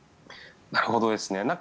なるほどですね。